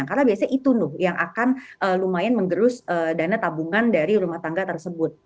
karena biasanya itu yang akan lumayan mengerus dana tabungan dari rumah tangga tersebut